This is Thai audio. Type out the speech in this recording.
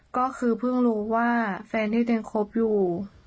ก็คือเพิ่งรู้ว่าแฟนที่ยังคบอยู่